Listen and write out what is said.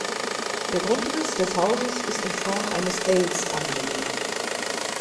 Der Grundriss des Hauses ist in Form eines Ls angelegt.